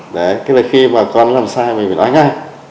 đấy tức là khi mà con làm sai mình phải nói ngay